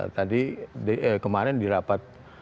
tadi kemarin dilapat